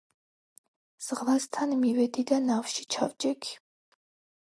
ზღვასთან მივედი და ნავში ჩავჯექი.